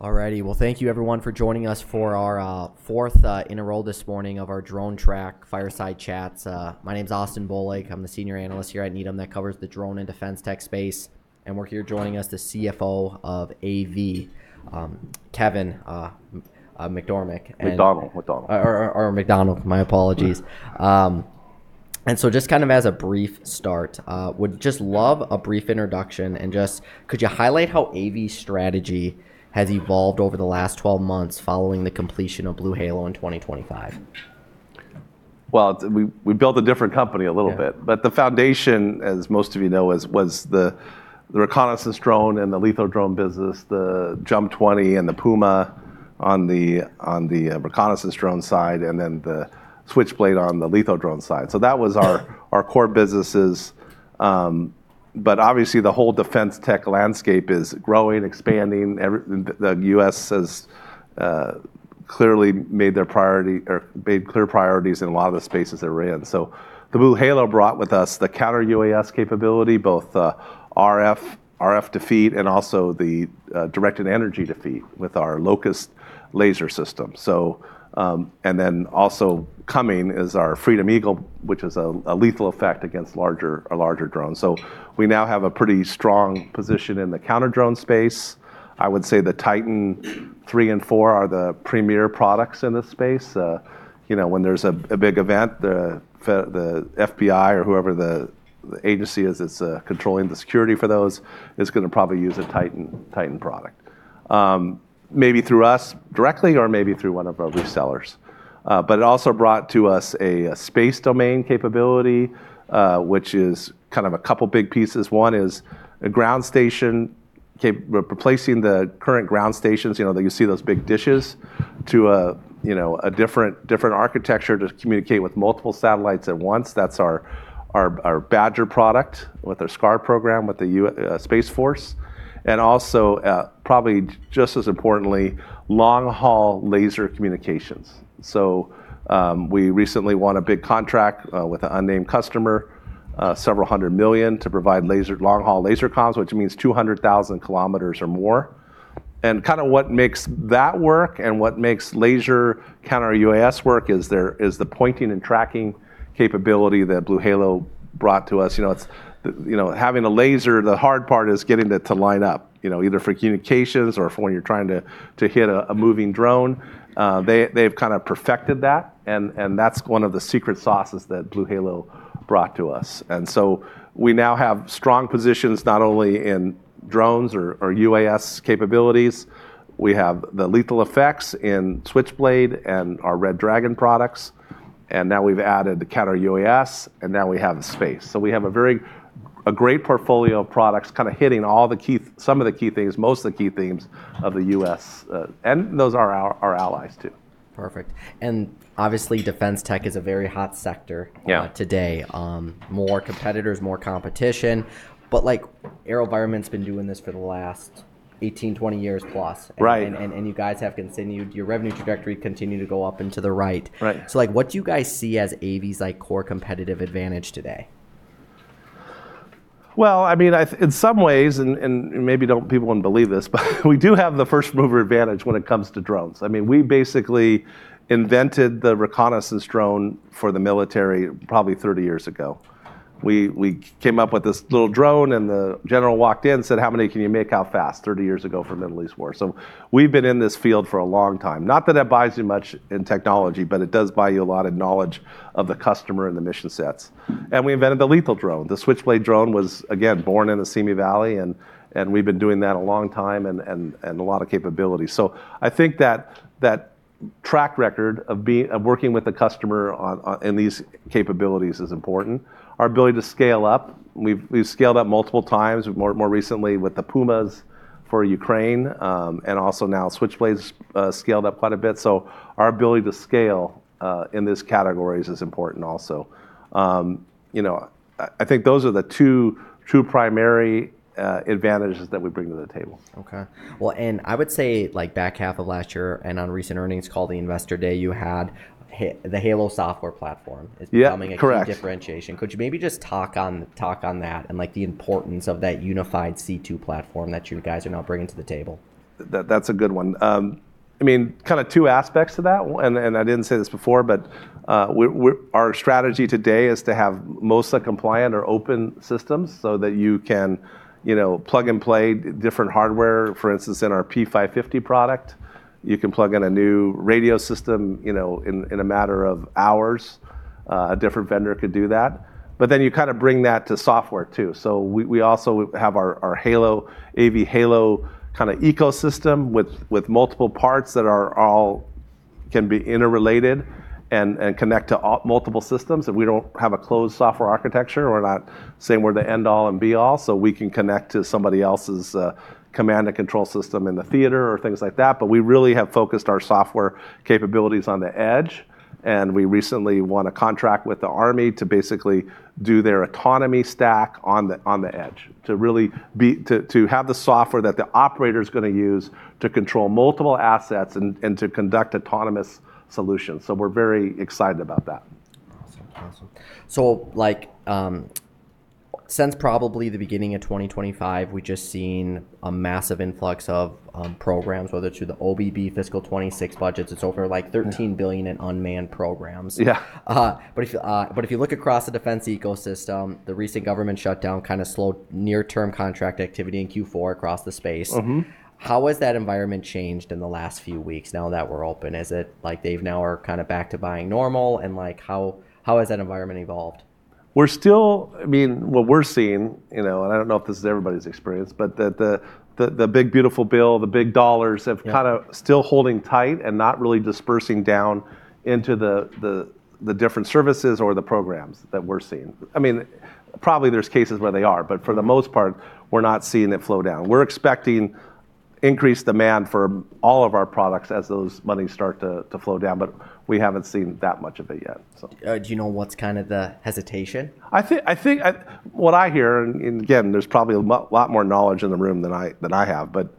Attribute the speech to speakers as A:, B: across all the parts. A: All righty. Well, thank you, everyone, for joining us for our fourth installment this morning of our Drone Track Fireside Chats. My name's Austin Bohlig. I'm the Senior Analyst here at Needham that covers the Drone and Defense Tech space. And joining us is the CFO of AV, Kevin McDonnell.
B: McDonnell. McDonnell.
A: McDonnell. My apologies, and so just kind of as a brief start, would just love a brief introduction, and just could you highlight how AV strategy has evolved over the last 12 months following the completion of BlueHalo in 2025?
B: We built a different company a little bit, but the foundation, as most of you know, was the reconnaissance drone and the lethal drone business, the JUMP 20 and the Puma on the reconnaissance drone side, and then the Switchblade on the lethal drone side. So that was our core businesses, but obviously the whole defense tech landscape is growing, expanding. The U.S. has clearly made their priority or made clear priorities in a lot of the spaces that we're in. So the BlueHalo brought with us the counter-UAS capability, both RF defeat, and also the directed energy defeat with our LOCUST laser system. So, and then also coming is our Freedom Eagle, which is a lethal effect against a larger drone. So we now have a pretty strong position in the counter drone space. I would say the Titan 3 and 4 are the premier products in this space. You know, when there's a big event, the FBI or whoever the agency is that's controlling the security for those is gonna probably use a Titan product. Maybe through us directly or maybe through one of our resellers. But it also brought to us a space domain capability, which is kind of a couple big pieces. One is a ground station cap replacing the current ground stations, you know, that you see those big dishes to a different architecture to communicate with multiple satellites at once. That's our BADGER product with our SCAR program with the U.S. Space Force. And also, probably just as importantly, long-haul laser communications. We recently won a big contract with an unnamed customer, several hundred million to provide laser long-haul laser comms, which means 200,000 km or more. And kind of what makes that work and what makes laser counter-UAS work is the pointing and tracking capability that BlueHalo brought to us. You know, it's you know, having a laser, the hard part is getting it to line up, you know, either for communications or for when you're trying to hit a moving drone. They've kind of perfected that. And that's one of the secret sauces that BlueHalo brought to us. And so we now have strong positions not only in drones or UAS capabilities. We have the lethal effects in Switchblade and our Red Dragon products. And now we've added the counter-UAS, and now we have the space. So we have a great portfolio of products kind of hitting all the key, some of the key things, most of the key themes of the U.S., and those are our allies too.
A: Perfect. And obviously, defense tech is a very hot sector.
B: Yeah.
A: Today. More competitors, more competition. But like AeroVironment's been doing this for the last 18, 20 years plus.
B: Right.
A: You guys have continued your revenue trajectory continue to go up and to the right.
B: Right.
A: So like what do you guys see as AV's like core competitive advantage today?
B: I mean, in some ways, and maybe people won't believe this, but we do have the first-mover advantage when it comes to drones. I mean, we basically invented the reconnaissance drone for the military probably 30 years ago. We came up with this little drone and the general walked in, said, "How many can you make? How fast?" 30 years ago for Middle East war. So we've been in this field for a long time. Not that it buys you much in technology, but it does buy you a lot of knowledge of the customer and the mission sets. And we invented the lethal drone. The Switchblade drone was again born in the Simi Valley, and we've been doing that a long time and a lot of capability. So I think that track record of working with the customer on these capabilities is important. Our ability to scale up, we've scaled up multiple times, more recently with the Pumas for Ukraine and also now Switchblades, scaled up quite a bit. So our ability to scale in these categories is important also. You know, I think those are the two primary advantages that we bring to the table.
A: And I would say, like, back half of last year and on recent earnings call, the Investor Day, you had the Halo software platform.
B: Yeah.
A: It's becoming a huge differentiation.
B: Correct.
A: Could you maybe just talk on that and like the importance of that unified C2 platform that you guys are now bringing to the table?
B: That's a good one. I mean, kind of two aspects of that. And I didn't say this before, but our strategy today is to have mostly compliant or open systems so that you can, you know, plug and play different hardware. For instance, in our P550 product, you can plug in a new radio system, you know, in a matter of hours. A different vendor could do that. But then you kind of bring that to software too. So we also have our Halo, AV_Halo kind of ecosystem with multiple parts that all can be interrelated and connect to multiple systems. And we don't have a closed software architecture. We're not saying we're the end all and be all. So we can connect to somebody else's command and control system in the theater or things like that. But we really have focused our software capabilities on the edge. And we recently won a contract with the Army to basically do their autonomy stack on the edge to have the software that the operator's gonna use to control multiple assets and to conduct autonomous solutions. So we're very excited about that.
A: Awesome. Awesome. So like, since probably the beginning of 2025, we've just seen a massive influx of programs, whether it's through the OMB fiscal 2026 budgets. It's over like $13 billion in unmanned programs.
B: Yeah.
A: But if you look across the defense ecosystem, the recent government shutdown kind of slowed near-term contract activity in Q4 across the space.
B: Mm-hmm.
A: How has that environment changed in the last few weeks now that we're open? Is it like they're now kind of back to buying normal? And like how has that environment evolved?
B: We're still, I mean, what we're seeing, you know, and I don't know if this is everybody's experience, but the Big Beautiful Bill, the big dollars have kind of still holding tight and not really dispersing down into the different services or the programs that we're seeing. I mean, probably there's cases where they are, but for the most part, we're not seeing it flow down. We're expecting increased demand for all of our products as those money start to flow down, but we haven't seen that much of it yet. So.
A: Do you know what's kind of the hesitation?
B: I think what I hear, and again, there's probably a lot more knowledge in the room than I have, but,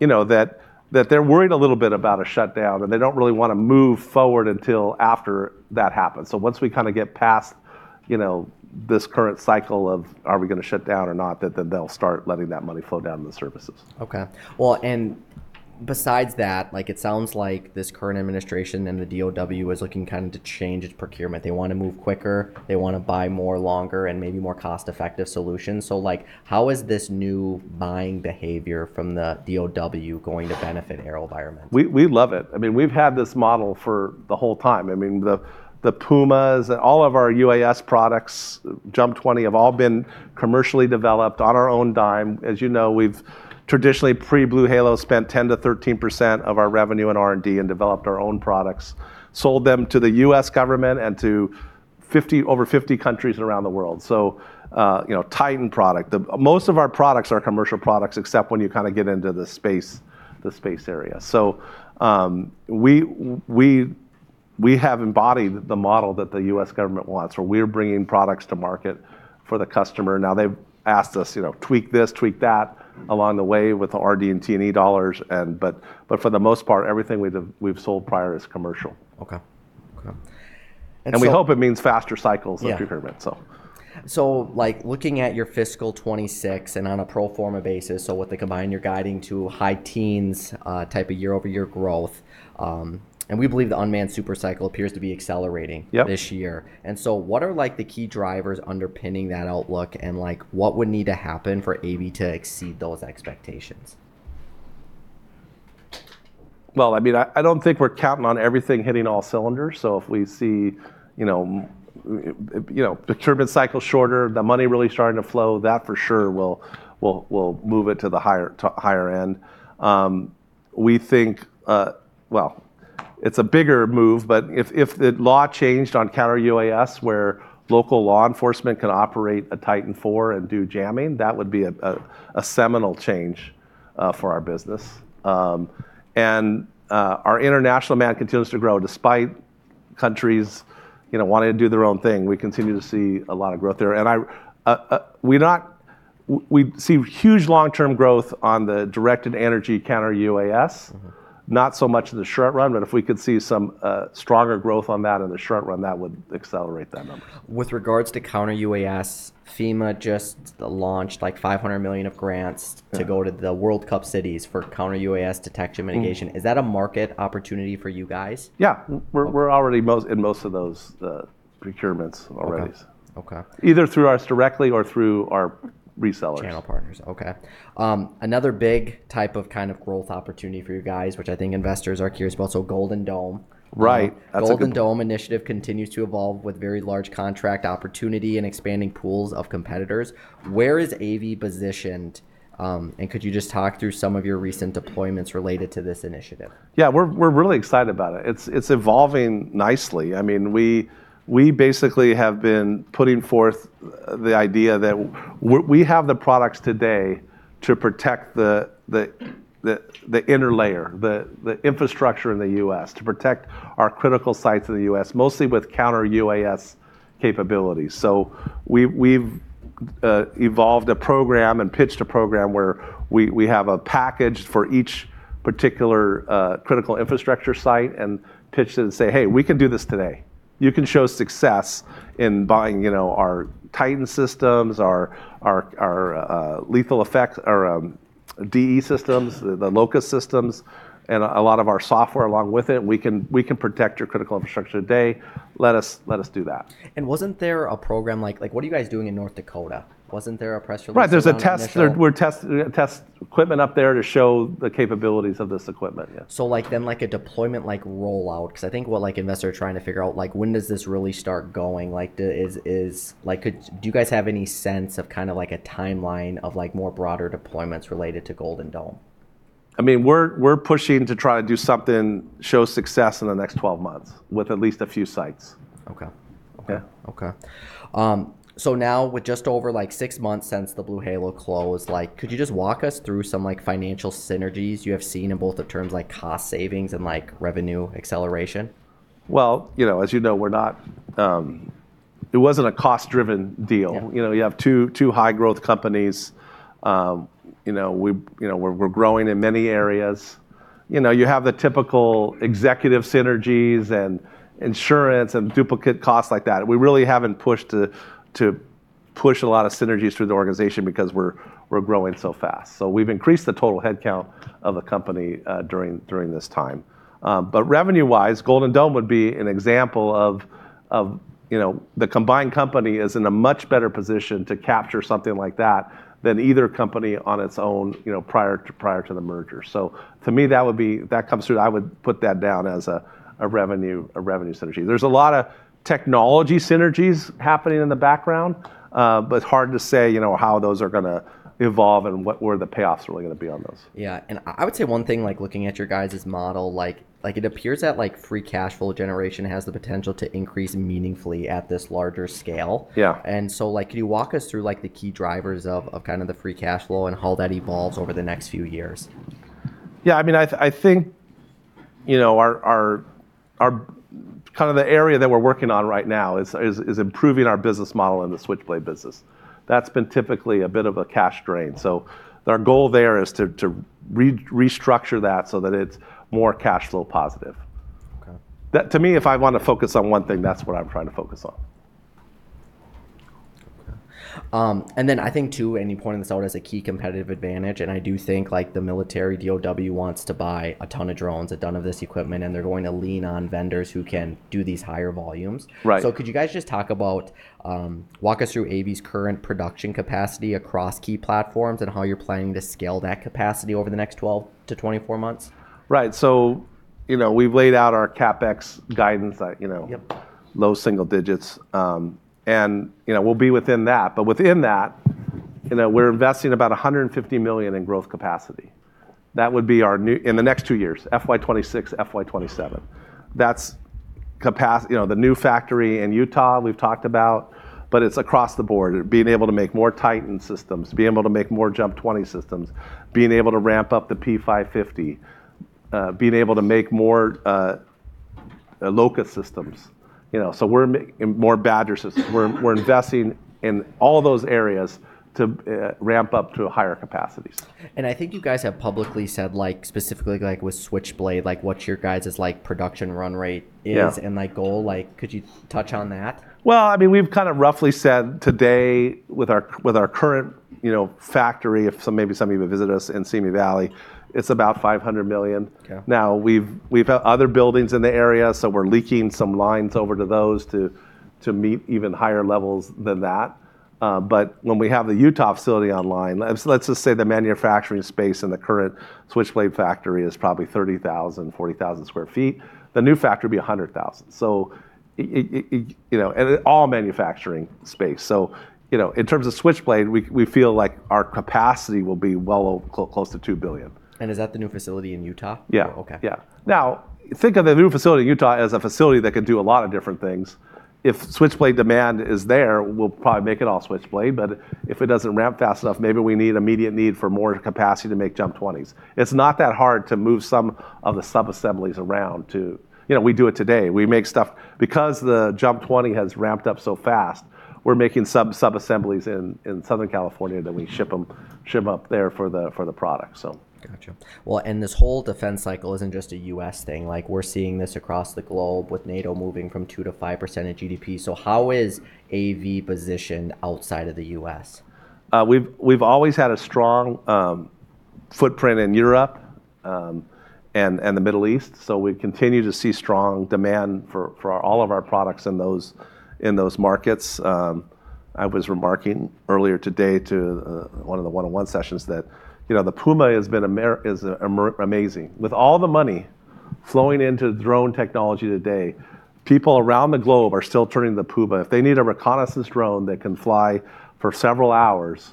B: you know, that they're worried a little bit about a shutdown and they don't really wanna move forward until after that happens. So once we kind of get past, you know, this current cycle of are we gonna shut down or not, then they'll start letting that money flow down in the services.
A: Okay. Well, and besides that, like it sounds like this current administration and the DoD is looking kind of to change its procurement. They wanna move quicker. They wanna buy more longer and maybe more cost-effective solutions. So like how is this new buying behavior from the DoD going to benefit AeroVironment?
B: We love it. I mean, we've had this model for the whole time. I mean, the Pumas and all of our UAS products, JUMP 20 have all been commercially developed on our own dime. As you know, we've traditionally pre-BlueHalo spent 10%-13% of our revenue on R&D and developed our own products, sold them to the U.S. government and to over 50 countries around the world. So, you know, Titan product, most of our products are commercial products except when you kind of get into the space area. So, we have embodied the model that the U.S. government wants where we are bringing products to market for the customer. Now they've asked us, you know, tweak this, tweak that along the way with the R&D and T&E dollars. For the most part, everything we've sold prior is commercial.
A: Okay. Okay.
B: We hope it means faster cycles of procurement.
A: Yeah.
B: So.
A: Like looking at your fiscal 2026 and on a pro forma basis, so with the combined year guiding to high teens type of year-over-year growth, and we believe the unmanned super cycle appears to be accelerating.
B: Yep.
A: This year. And so what are like the key drivers underpinning that outlook and like what would need to happen for AV to exceed those expectations?
B: Well, I mean, I don't think we're counting on everything hitting all cylinders. So if we see, you know, procurement cycle shorter, the money really starting to flow, that for sure will move it to the higher, to higher end. We think, well, it's a bigger move, but if the law changed on counter-UAS where local law enforcement can operate a Titan 4 and do jamming, that would be a seminal change for our business. And our international demand continues to grow despite countries, you know, wanting to do their own thing. We continue to see a lot of growth there. And I, we're not, we see huge long-term growth on the directed energy counter-UAS.
A: Mm-hmm.
B: Not so much in the short run, but if we could see some stronger growth on that in the short run, that would accelerate that number.
A: With regards to counter-UAS, FEMA just launched like $500 million of grants.
B: Mm-hmm.
A: To go to the World Cup cities for counter-UAS detection mitigation. Is that a market opportunity for you guys?
B: Yeah. We're already in most of those procurements already.
A: Okay. Okay.
B: Either through us directly or through our resellers.
A: Channel partners. Okay. Another big type of kind of growth opportunity for you guys, which I think investors are curious about. So Golden Dome.
B: Right.
A: Golden Dome initiative continues to evolve with very large contract opportunity and expanding pools of competitors. Where is AV positioned, and could you just talk through some of your recent deployments related to this initiative?
B: Yeah. We're really excited about it. It's evolving nicely. I mean, we basically have been putting forth the idea that we have the products today to protect the inner layer, the infrastructure in the U.S. to protect our critical sites in the U.S., mostly with counter-UAS capabilities. So we've evolved a program and pitched a program where we have a package for each particular critical infrastructure site and pitched it and say, hey, we can do this today. You can show success in buying, you know, our Titan systems, our lethal effect or DE systems, the LOCUST systems and a lot of our software along with it. We can protect your critical infrastructure today. Let us do that.
A: And wasn't there a program like, like what are you guys doing in North Dakota? Wasn't there a press release?
B: Right. There's a test. We're testing test equipment up there to show the capabilities of this equipment. Yeah.
A: So like then like a deployment like rollout, because I think what like investors are trying to figure out, like when does this really start going? Like do you guys have any sense of kind of like a timeline of like more broader deployments related to Golden Dome?
B: I mean, we're pushing to try to do something, show success in the next 12 months with at least a few sites.
A: Okay. Okay.
B: Yeah.
A: Okay, so now with just over like six months since the BlueHalo closed, like could you just walk us through some like financial synergies you have seen in both of terms like cost savings and like revenue acceleration?
B: You know, as you know, it wasn't a cost-driven deal.
A: Yeah.
B: You know, you have two high-growth companies. You know, we're growing in many areas. You know, you have the typical executive synergies and insurance and duplicate costs like that. We really haven't pushed to push a lot of synergies through the organization because we're growing so fast. So we've increased the total headcount of the company during this time. But revenue-wise, Golden Dome would be an example of, you know, the combined company is in a much better position to capture something like that than either company on its own, you know, prior to the merger. So to me, that would be, that comes through. I would put that down as a revenue synergy. There's a lot of technology synergies happening in the background, but it's hard to say, you know, how those are gonna evolve and what, where the payoffs are really gonna be on those.
A: Yeah. And I would say one thing, like looking at your guys' model, like, like it appears that like free cash flow generation has the potential to increase meaningfully at this larger scale.
B: Yeah.
A: Like, could you walk us through like the key drivers of kind of the free cash flow and how that evolves over the next few years?
B: Yeah. I mean, I think, you know, our kind of the area that we're working on right now is improving our business model in the Switchblade business. That's been typically a bit of a cash drain. So our goal there is to restructure that so that it's more cash flow positive.
A: Okay.
B: That, to me, if I wanna focus on one thing, that's what I'm trying to focus on.
A: Okay, and then I think too, and you pointed this out as a key competitive advantage, and I do think like the military DoD wants to buy a ton of drones, a ton of this equipment, and they're going to lean on vendors who can do these higher volumes.
B: Right.
A: Could you guys just talk about, walk us through AV's current production capacity across key platforms and how you're planning to scale that capacity over the next 12-24 months?
B: Right, so you know, we've laid out our CapEx guidance that, you know.
A: Yep.
B: Low single digits, and, you know, we'll be within that. But within that, you know, we're investing about $150 million in growth capacity. That would be our new, in the next two years, FY 2026, FY 2027. That's capacity, you know, the new factory in Utah we've talked about, but it's across the board, being able to make more Titan systems, being able to make more JUMP 20 systems, being able to ramp up the P550, being able to make more LOCUST systems, you know. So we're making more BADGER systems. We're investing in all those areas to ramp up to higher capacities.
A: I think you guys have publicly said like specifically like with Switchblade, like what your guys' like production run rate is?
B: Yeah.
A: Like goal, like could you touch on that?
B: I mean, we've kind of roughly said today with our current, you know, factory, if maybe some of you have visited us in Simi Valley, it's about $500 million.
A: Okay.
B: Now we've had other buildings in the area, so we're leaking some lines over to those to meet even higher levels than that. But when we have the Utah facility online, let's just say the manufacturing space in the current Switchblade factory is probably 30,000 sq ft-40,000 sq ft. The new factory would be 100,000 sq ft. So it, you know, and all manufacturing space. So, you know, in terms of Switchblade, we feel like our capacity will be well close to $2 billion.
A: Is that the new facility in Utah?
B: Yeah.
A: Okay.
B: Yeah. Now think of the new facility in Utah as a facility that can do a lot of different things. If Switchblade demand is there, we'll probably make it all Switchblade. But if it doesn't ramp fast enough, maybe we need immediate need for more capacity to make JUMP 20s. It's not that hard to move some of the sub-assemblies around to, you know, we do it today. We make stuff because the JUMP 20 has ramped up so fast, we're making sub-assemblies in Southern California that we ship them up there for the product. So.
A: Gotcha. Well, and this whole defense cycle isn't just a U.S. thing. Like we're seeing this across the globe with NATO moving from 2%-5% of GDP. So how is AV positioned outside of the U.S.?
B: We've always had a strong footprint in Europe and the Middle East. So we continue to see strong demand for all of our products in those markets. I was remarking earlier today to one of the one-on-one sessions that, you know, the Puma has been a, is amazing. With all the money flowing into drone technology today, people around the globe are still turning to the Puma. If they need a reconnaissance drone that can fly for several hours,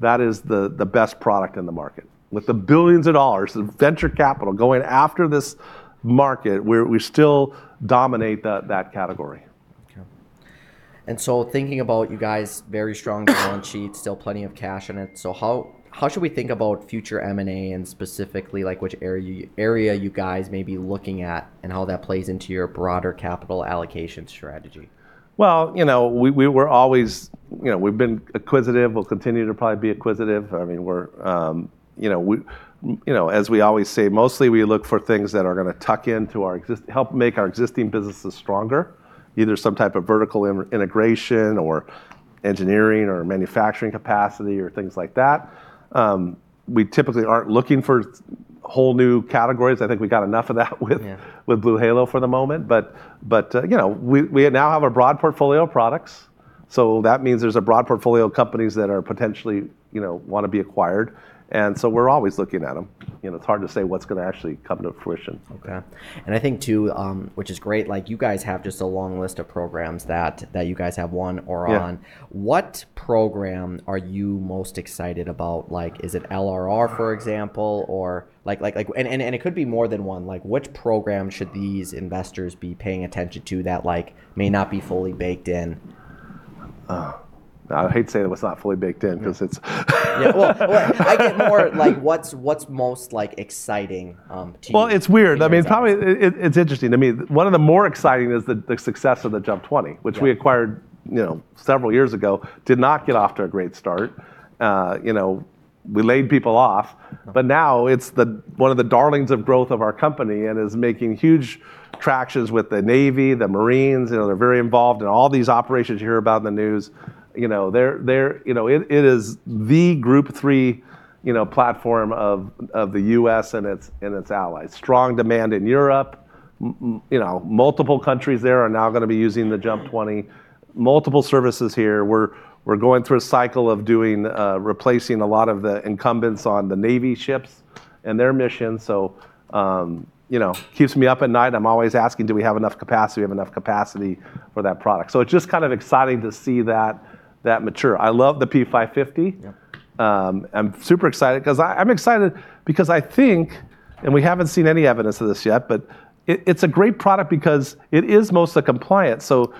B: that is the best product in the market. With the billions of dollars the venture capital going after this market, we still dominate that category.
A: Okay. And so, thinking about you guys' very strong balance sheet, still plenty of cash in it. So how should we think about future M&A and specifically like which area you guys may be looking at and how that plays into your broader capital allocation strategy?
B: Well, you know, we were always, you know, we've been acquisitive. We'll continue to probably be acquisitive. I mean, we're, you know, as we always say, mostly we look for things that are gonna tuck into our existing, help make our existing businesses stronger, either some type of vertical integration or engineering or manufacturing capacity or things like that. We typically aren't looking for whole new categories. I think we got enough of that with.
A: Yeah.
B: With BlueHalo for the moment. But you know, we now have a broad portfolio of products. So that means there's a broad portfolio of companies that are potentially, you know, wanna be acquired. And so we're always looking at 'em. You know, it's hard to say what's gonna actually come to fruition.
A: Okay, and I think too, which is great, like you guys have just a long list of programs that you guys have won or on.
B: Yeah.
A: What program are you most excited about? Like is it LRR, for example, or like, and it could be more than one. Like which program should these investors be paying attention to that like may not be fully baked in?
B: I hate to say that it's not fully baked in because it's.
A: Yeah. Well, I get more like what's most like exciting to you?
B: It's weird. I mean, it's probably it's interesting. I mean, one of the more exciting is the success of the JUMP 20, which we acquired, you know, several years ago, did not get off to a great start. You know, we laid people off, but now it's the one of the darlings of growth of our company and is making huge tractions with the Navy, the Marines, you know, they're very involved in all these operations you hear about in the news. You know, they're you know, it is the Group 3, you know, platform of the U.S. and its allies. Strong demand in Europe. Mm-hmm. You know, multiple countries there are now gonna be using the JUMP 20. Multiple services here. We're going through a cycle of doing, replacing a lot of the incumbents on the Navy ships and their mission. So, you know, keeps me up at night. I'm always asking, do we have enough capacity? Do we have enough capacity for that product? So it's just kind of exciting to see that mature. I love the P550.
A: Yep.
B: I'm super excited 'cause I'm excited because I think, and we haven't seen any evidence of this yet, but it's a great product because it is mostly compliant. So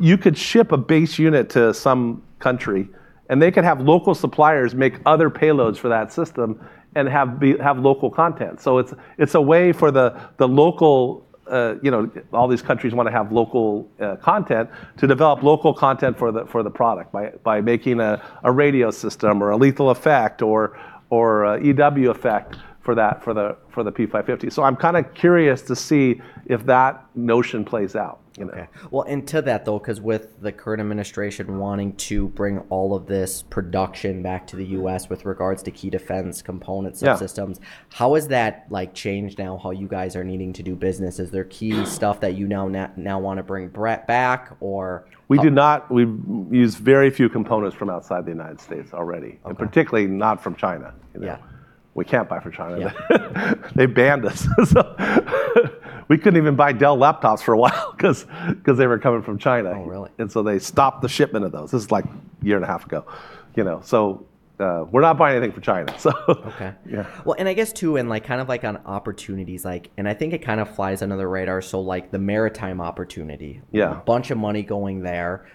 B: you could ship a base unit to some country and they could have local suppliers make other payloads for that system and have local content. So it's a way for the local, you know, all these countries wanna have local content to develop local content for the product by making a radio system or a lethal effect or a EW effect for the P550. So I'm kind of curious to see if that notion plays out, you know.
A: And to that though, because with the current administration wanting to bring all of this production back to the U.S. with regards to key defense components.
B: Yeah.
A: Of systems. How has that like changed now how you guys are needing to do business? Is there key stuff that you now wanna bring back or?
B: We do not. We use very few components from outside the United States already.
A: Okay.
B: Particularly not from China.
A: Yeah.
B: We can't buy from China. They banned us. So we couldn't even buy Dell laptops for a while because they were coming from China.
A: Oh, really?
B: And so they stopped the shipment of those. This is like a year and a half ago, you know. So, we're not buying anything from China. So.
A: Okay.
B: Yeah.
A: Well, and I guess too, and like kind of like on opportunities, like, and I think it kind of flies under the radar. So like the maritime opportunity.
B: Yeah.
A: A bunch of money going there.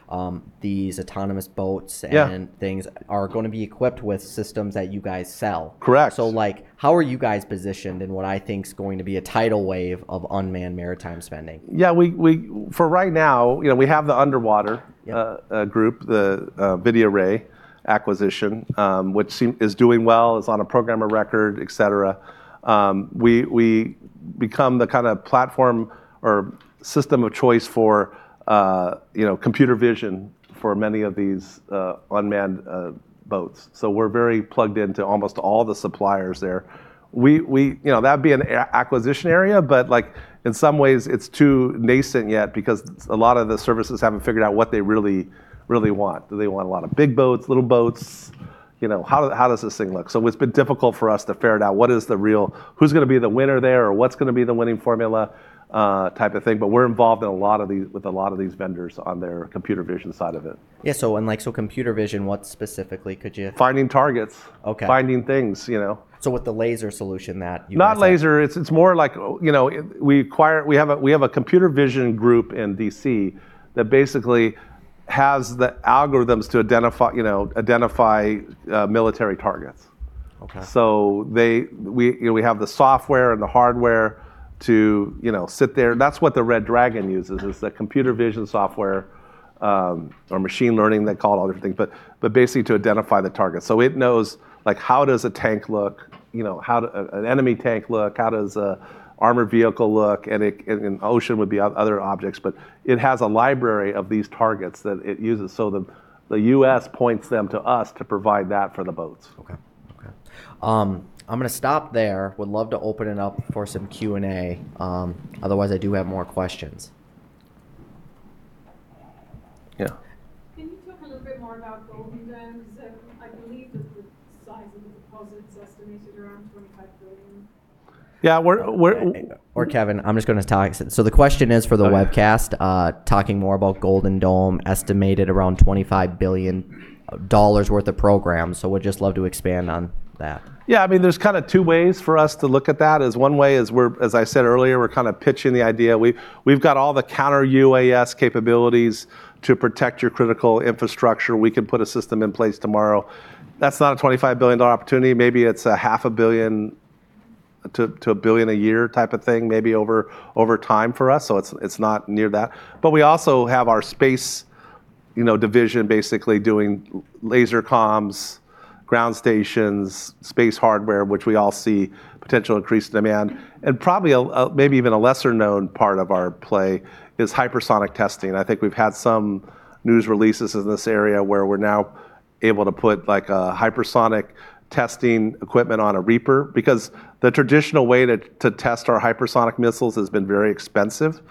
A: These autonomous boats and things are gonna be equipped with systems that you guys sell.
B: Correct.
A: So like how are you guys positioned in what I think's going to be a tidal wave of unmanned maritime spending?
B: Yeah. We for right now, you know, we have the Underwater.
A: Yeah.
B: Group, the VideoRay acquisition, which seems to be doing well, is on a program of record, et cetera. We become the kind of platform or system of choice for, you know, computer vision for many of these unmanned boats. So we're very plugged into almost all the suppliers there. We, you know, that'd be an acquisition area, but like in some ways it's too nascent yet because a lot of the services haven't figured out what they really, really want. Do they want a lot of big boats, little boats? You know, how does this thing look? So it's been difficult for us to ferret out what is the real, who's gonna be the winner there or what's gonna be the winning formula, type of thing. But we're involved in a lot of these, with a lot of these vendors on their computer vision side of it.
A: Yeah. So, like, computer vision, what specifically could you?
B: Finding targets.
A: Okay.
B: Finding things, you know.
A: So with the laser solution that you guys?
B: Not laser. It's more like, you know, we acquire, we have a computer vision group in D.C. that basically has the algorithms to identify, you know, military targets.
A: Okay.
B: So they, we, you know, we have the software and the hardware to, you know, sit there. That's what the Red Dragon uses is the computer vision software, or machine learning. They call it all different things, but basically to identify the target. So it knows like how does a tank look, you know, how does an enemy tank look, how does an armored vehicle look, and an occlusion would be other objects, but it has a library of these targets that it uses. So the U.S. points them to us to provide that for the boats.
A: Okay. Okay. I'm gonna stop there. Would love to open it up for some Q&A. Otherwise I do have more questions.
B: Yeah. Can you talk a little bit more about Golden Dome? Because I believe that the size of the deposit's estimated around $25 billion. Yeah. We're.
A: Sorry Kevin, I'm just gonna talk. So the question is for the webcast, talking more about Golden Dome estimated around $25 billion worth of programs. So we'd just love to expand on that.
B: Yeah. I mean, there's kind of two ways for us to look at that. One way is we're, as I said earlier, we're kind of pitching the idea. We, we've got all the counter-UAS capabilities to protect your critical infrastructure. We could put a system in place tomorrow. That's not a $25 billion opportunity. Maybe it's a $500 million to a $1 billion a year type of thing, maybe over time for us. So it's not near that. But we also have our space, you know, division basically doing laser comms, ground stations, space hardware, which we all see potential increased demand. And probably a maybe even a lesser known part of our play is hypersonic testing. I think we've had some news releases in this area where we're now able to put like a hypersonic testing equipment on a Reaper because the traditional way to test our hypersonic missiles has been very expensive,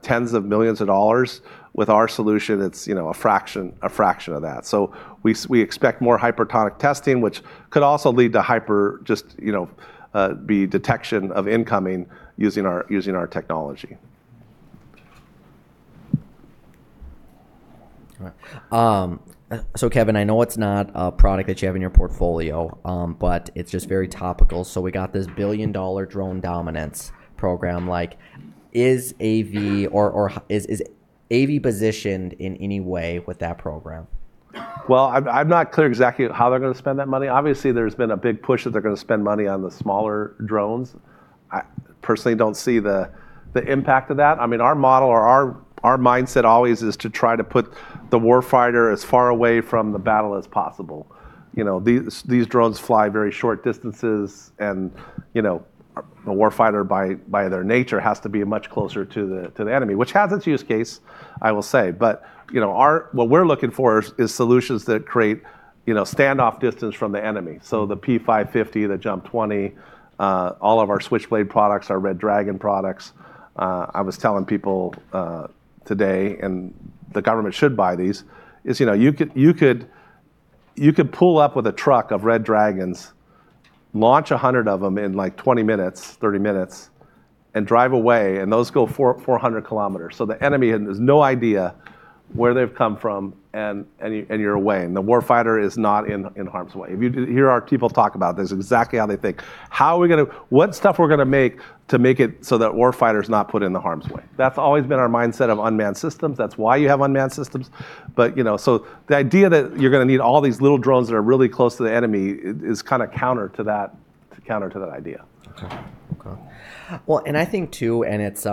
B: tens of millions of dollars. With our solution, it's, you know, a fraction of that. So we expect more hypersonic testing, which could also lead to hypersonic just, you know, better detection of incoming using our technology.
A: Okay. So, Kevin, I know it's not a product that you have in your portfolio, but it's just very topical, so we got this $1 billion drone dominance program. Like, is AV positioned in any way with that program?
B: I'm not clear exactly how they're gonna spend that money. Obviously, there's been a big push that they're gonna spend money on the smaller drones. I personally don't see the impact of that. I mean, our model or our mindset always is to try to put the warfighter as far away from the battle as possible. You know, these drones fly very short distances and, you know, a warfighter by their nature has to be much closer to the enemy, which has its use case, I will say. But, you know, what we're looking for is solutions that create, you know, standoff distance from the enemy. So the P550, the JUMP 20, all of our Switchblade products, our Red Dragon products, I was telling people today and the government should buy these is, you know, you could pull up with a truck of Red Dragons, launch a hundred of them in like 20 minutes, 30 minutes, and drive away and those go 400 km. So the enemy has no idea where they've come from and you're away. And the warfighter is not in harm's way. If you hear our people talk about this, exactly how they think, how are we gonna, what stuff we're gonna make to make it so that warfighter's not put in the harm's way. That's always been our mindset of unmanned systems. That's why you have unmanned systems. But, you know, so the idea that you're gonna need all these little drones that are really close to the enemy is kind of counter to that, counter to that idea.
A: I think too, and it's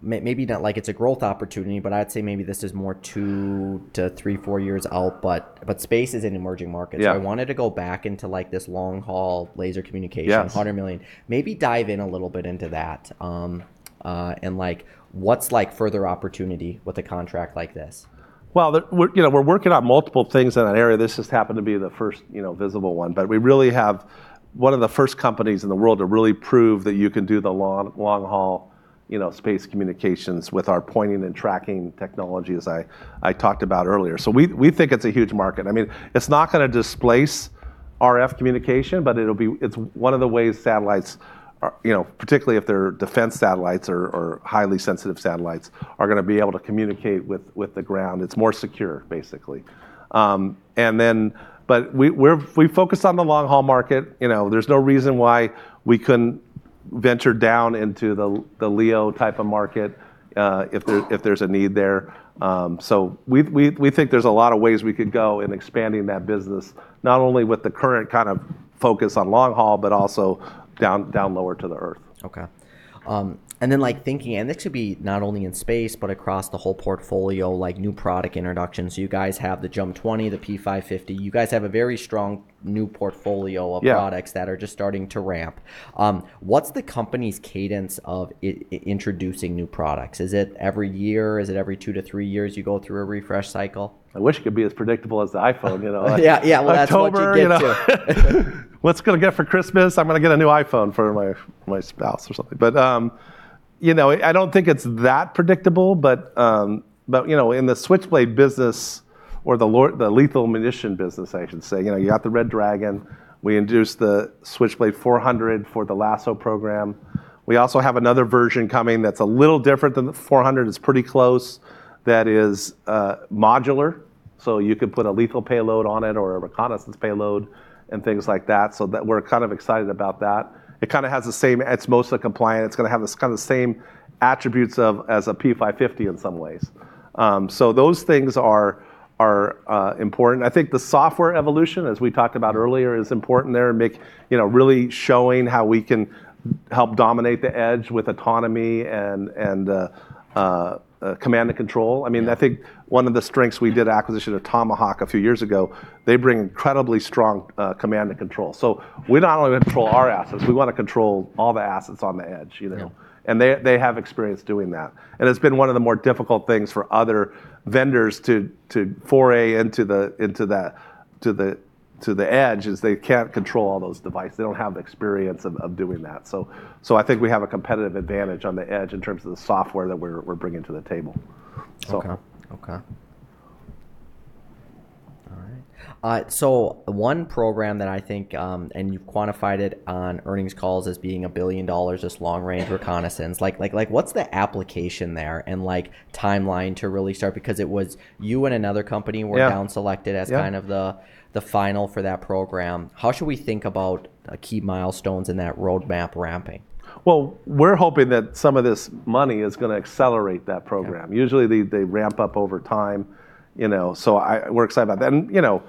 A: maybe not like it's a growth opportunity, but I'd say maybe this is more two to three, four years out, but space is an emerging market.
B: Yeah.
A: I wanted to go back into like this long haul laser communication.
B: Yeah.
A: $100 million. Maybe dive in a little bit into that, and like what's like further opportunity with a contract like this?
B: We're, you know, working on multiple things in that area. This just happened to be the first, you know, visible one, but we really have one of the first companies in the world to really prove that you can do the long, long haul, you know, space communications with our pointing and tracking technology, as I talked about earlier. So we think it's a huge market. I mean, it's not gonna displace RF communication, but it'll be, it's one of the ways satellites are, you know, particularly if they're defense satellites or highly sensitive satellites are gonna be able to communicate with the ground. It's more secure basically. And then, but we focus on the long haul market. You know, there's no reason why we couldn't venture down into the LEO type of market, if there's a need there. We think there's a lot of ways we could go in expanding that business, not only with the current kind of focus on long haul, but also down lower to the earth.
A: Okay. And then like thinking, and this should be not only in space, but across the whole portfolio, like new product introductions. You guys have the JUMP 20, the P550. You guys have a very strong new portfolio of products that are just starting to ramp. What's the company's cadence of introducing new products? Is it every year? Is it every two to three years you go through a refresh cycle?
B: I wish it could be as predictable as the iPhone, you know.
A: Yeah. Yeah. Well, that's what we're gonna get.
B: What's gonna get for Christmas? I'm gonna get a new iPhone for my spouse or something. But you know, I don't think it's that predictable, but you know, in the Switchblade business or the lethal munition business, I should say, you know, you got the Red Dragon. We introduced the Switchblade 400 for the LASSO program. We also have another version coming that's a little different than the 400. It's pretty close. That is modular. So you could put a lethal payload on it or a reconnaissance payload and things like that. So that we're kind of excited about that. It kind of has the same; it's mostly compliant. It's gonna have this kind of the same attributes of as a P550 in some ways. So those things are important. I think the software evolution, as we talked about earlier, is important there and, you know, really showing how we can help dominate the edge with autonomy and command and control. I mean, I think one of the strengths we did acquisition of Tomahawk a few years ago, they bring incredibly strong command and control. So we not only control our assets, we wanna control all the assets on the edge, you know.
A: Okay.
B: They have experience doing that. It's been one of the more difficult things for other vendors to foray into the edge is they can't control all those devices. They don't have the experience of doing that. I think we have a competitive advantage on the edge in terms of the software that we're bringing to the table.
A: Okay. Okay. All right, so one program that I think, and you've quantified it on earnings calls as being $1 billion, just long range reconnaissance. Like, like, like, what's the application there and like timeline to really start? Because it was you and another company were down-selected as kind of the final for that program. How should we think about key milestones in that roadmap ramping?
B: We're hoping that some of this money is gonna accelerate that program. Usually they ramp up over time, you know. We're excited about that. You know,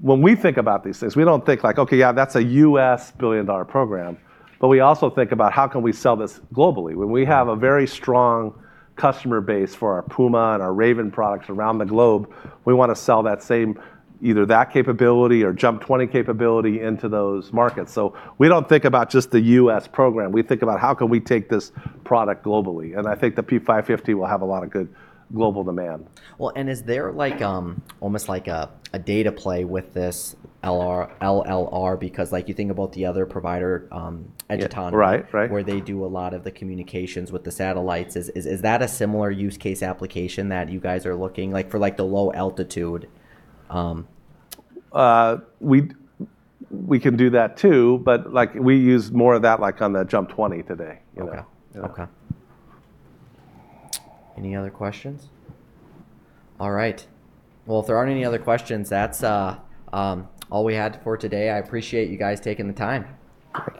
B: when we think about these things, we don't think like, okay, yeah, that's a U.S. billion dollar program, but we also think about how can we sell this globally. When we have a very strong customer base for our Puma and our Raven products around the globe, we wanna sell that same, either that capability or JUMP 20 capability into those markets. We don't think about just the U.S. program. We think about how can we take this product globally. I think the P550 will have a lot of good global demand.
A: Is there like, almost like a data play with this LRR? Because like you think about the other provider, Anduril.
B: Right. Right.
A: Where they do a lot of the communications with the satellites. Is that a similar use case application that you guys are looking like for like the low altitude?
B: We can do that too, but like we use more of that like on the JUMP 20 today, you know.
A: Okay. Okay. Any other questions? All right. Well, if there aren't any other questions, that's all we had for today. I appreciate you guys taking the time.
B: Great.